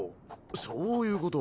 そういうこと。